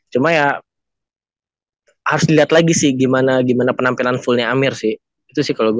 cuma ya harus dilihat lagi sih gimana gimana penampilan fullnya amir sih itu sih kalau gue